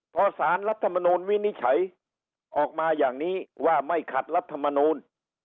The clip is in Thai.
พอสารรัฐมนูลวินิจฉัยออกมาอย่างนี้ว่าไม่ขัดรัฐมนูล